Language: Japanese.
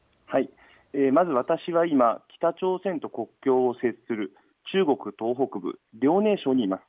まず私は今、北朝鮮と国境を接する中国東北部遼寧省にいます。